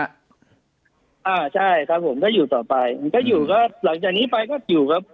อ่าใช่ครับผมก็อยู่ต่อไปถ้าอยู่ก็หลังจากนี้ไปก็อยู่ครับ